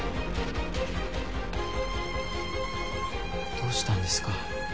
どうしたんですか？